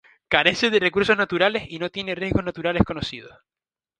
Carece de recursos naturales, y no tiene riesgos naturales conocidos.